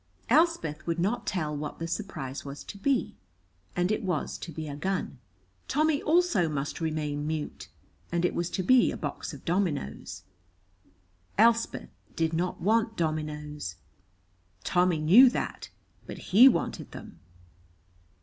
Elspeth would not tell what the surprise was to be, and it was to be a gun. Tommy also must remain mute, and it was to be a box of dominoes. Elspeth did not want dominoes. Tommy knew that, but he wanted them.